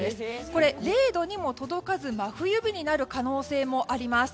これ、０度にも届かず真冬日になる可能性もあります。